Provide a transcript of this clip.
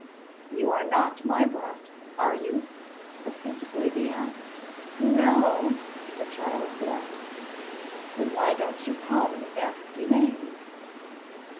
"You are not my brat, are you?" the Painted Lady asked. "N no," the child gasped. "Then why don't you call me nasty names?"